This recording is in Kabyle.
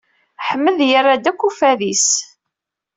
Aḥmed yarra-d akk uffad-is.